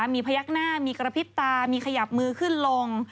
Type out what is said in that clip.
มีพยักหน้ามีกระพริบตามีขยับมือขึ้นลง